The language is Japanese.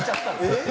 えっ？